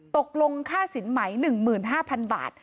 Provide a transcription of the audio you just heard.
ตกลงค่าสินไหม๑๕๐๐๐บาท